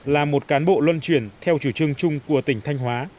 là một cán bộ luân chuyển theo chủ trương chung của tỉnh thanh hóa